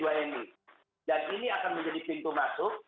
dan ini akan menjadi pintu masuk